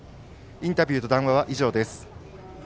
インタビューと談話は以上です。